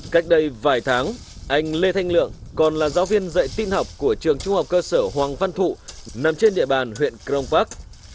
cách đây vài tháng anh lê thanh lượng còn là giáo viên dạy tin học của trường trung học cơ sở hoàng văn thụ nằm trên địa bàn huyện crong park